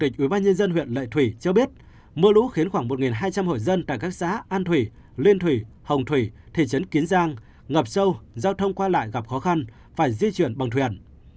chủ tịch ubnd huyện lệ thủy cho biết mưa lũ khiến khoảng một hai trăm linh hội dân tại các xã an thủy liên thủy hồng thủy thị trấn kiến giang ngập sâu giao thông qua lại gặp khó khăn phải di chuyển bằng thuyền